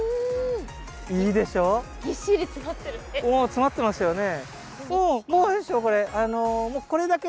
詰まってますよね。